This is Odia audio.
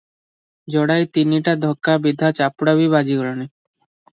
ଯୋଡ଼ାଏ ତିନିଟା ଧକା ବିଧା ଚାପୁଡ଼ା ବି ବାଜିଗଲାଣି ।